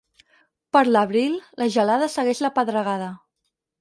Per l'abril la gelada segueix la pedregada.